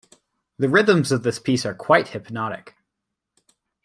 The rhythms of this piece are quite hypnotic